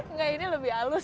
enggak ini lebih halus